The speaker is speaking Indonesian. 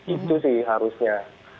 itu sih harusnya